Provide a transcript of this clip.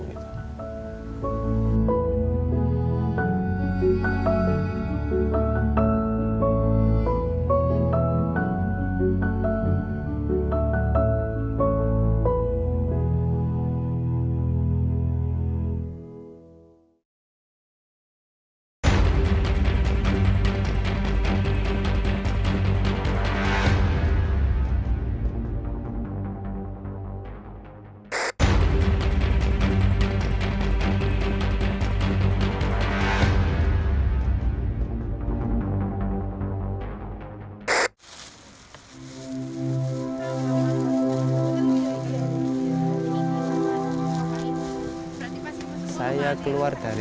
biasanya atau yang di papa tapi